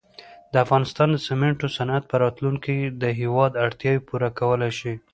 د افغانستان د سېمنټو صنعت په راتلونکي کې د هېواد اړتیاوې پوره کولای شي.